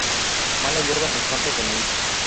Mala hierba en campos de maíz.